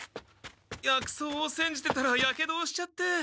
薬草をせんじてたらやけどをしちゃって。